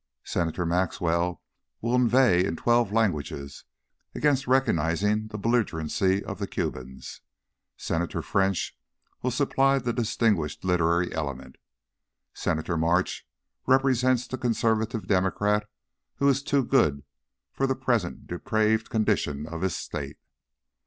Senator Maxwell will inveigh in twelve languages against recognizing the belligerency of the Cubans. Senator French will supply the distinguished literary element. Senator March represents the conservative Democrat who is too good for the present depraved condition of his State.